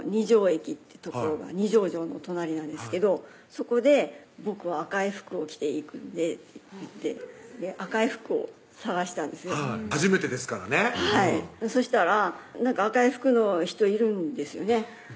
駅って所が二条城の隣なんですけどそこで「僕は赤い服を着ていくんで」って言って赤い服を捜したんです初めてですからねそしたらなんか赤い服の人いるんですよね